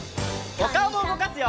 おかおもうごかすよ！